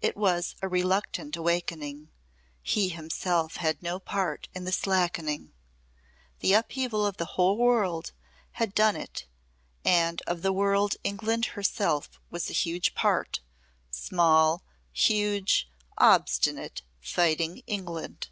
It was a reluctant awakening he himself had no part in the slackening. The upheaval of the whole world had done it and of the world England herself was a huge part small, huge, obstinate, fighting England.